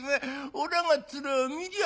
おらが面見りゃ